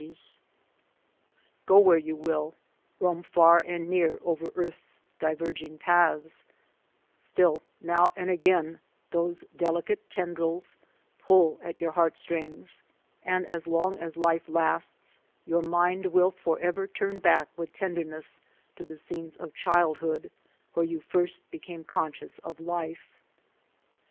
1193J 194 THE SOUL OF AN IMMIGRANT Go where you will, roam far or near over earth's diverging paths, still now and again those delicate tendrils pull at your heartstrings, and as long as life lasts, your mind will forever turn back with ten derness to the scenes of childhood, where you first became conscious of life.